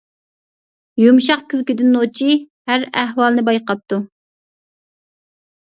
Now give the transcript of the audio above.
يۇمشاق كۈلكىدىن نوچى، ھەر ئەھۋالنى بايقاپتۇ.